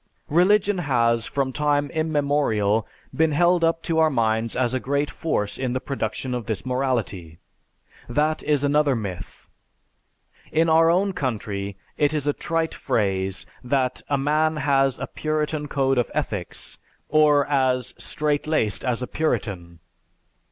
Religion has from time immemorial been held up to our minds as a great force in the production of this morality. That is another myth. In our own country it is a trite phrase that a man has a "Puritan code of ethics," or as "straight laced as a Puritan."